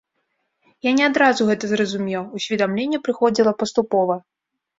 Я не адразу гэта зразумеў, усведамленне прыходзіла паступова.